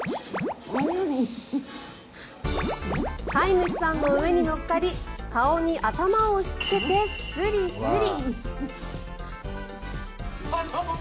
飼い主さんの上に乗っかり顔に頭を押しつけてスリスリ。